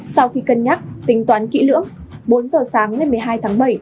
sau khi cân nhắc tính toán kỹ lưỡng bốn giờ sáng ngày một mươi hai tháng bảy